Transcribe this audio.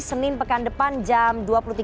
senin pekan depan jam dua puluh tiga